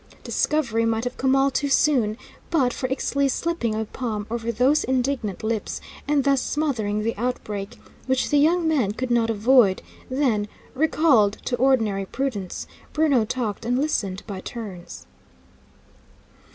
Discovery might have come all too soon, but for Ixtli's slipping a palm over those indignant lips and thus smothering the outbreak which the young man could not avoid; then, recalled to ordinary prudence, Bruno talked and listened by turns.